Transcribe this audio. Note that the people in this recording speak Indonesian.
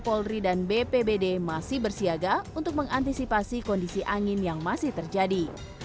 polri dan bpbd masih bersiaga untuk mengantisipasi kondisi angin yang masih terjadi